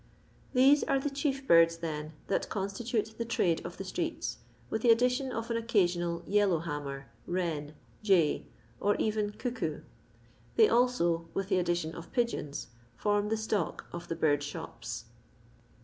These are the chief birds, then, that constitate the trade of the streets, with the addition of an occammal yellow hammer, wren, jay, or eyen eockoo. They also, with the addition of pigeons, form the stock of the bird thops.